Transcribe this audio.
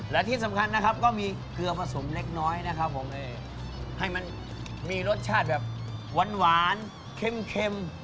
แล้วที่สำคัญก็มีเกลือผสมเล็กน้อยให้มีรสชาติแบบหวานเค็ม